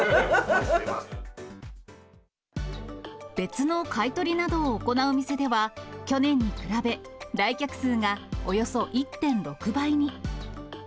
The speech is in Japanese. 別の買い取りなどを行う店では、去年に比べ、来客数がおよそ１．６倍に。